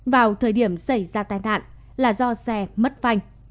vào thời điểm xảy ra tai nạn là do xe mất phanh